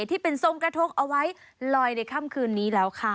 ที่เป็นทรงกระทกเอาไว้ลอยในค่ำคืนนี้แล้วค่ะ